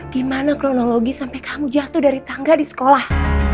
gimana kronologi sampai kamu jatuh dari tangga di sekolah